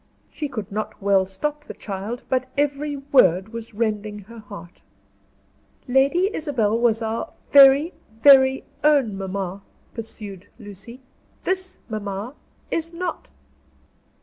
She could not well stop the child, but every word was rending her heart. "Lady Isabel was our very, very own mamma," pursued Lucy. "This mamma is not."